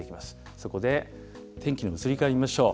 そこで天気の移り変わり見ましょう。